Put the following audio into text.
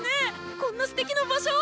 こんなすてきな場所を！